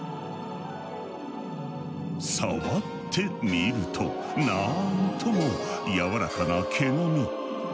触ってみるとなんともやわらかな毛並み。